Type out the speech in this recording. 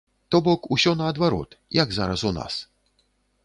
То бок, усё наадварот, як зараз у нас.